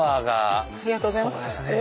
ありがとうございます。